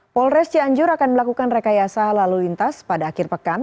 polres cianjur akan melakukan rekayasa lalu lintas pada akhir pekan